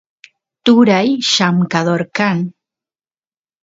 turay llamkador kan